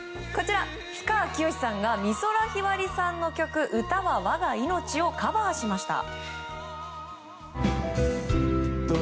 氷川きよしさんが美空ひばりさんの曲「歌は我が命」をカバーしました。